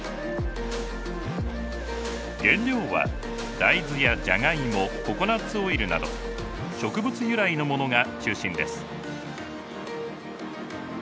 原料は大豆やジャガイモココナツオイルなど植物由来のものが中心です。